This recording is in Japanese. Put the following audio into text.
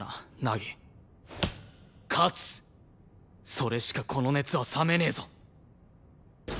それしかこの熱は冷めねえぞ。